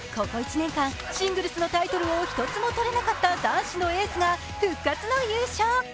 ここ１年間シングルスのタイトルを一つも取れなかった男子のエースが復活の優勝。